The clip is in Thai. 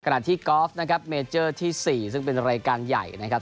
ที่กอล์ฟนะครับเมเจอร์ที่๔ซึ่งเป็นรายการใหญ่นะครับ